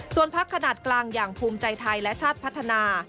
ส่วนพักขนาดกลางอย่างภูมิใจไทยและชาติพัฒนา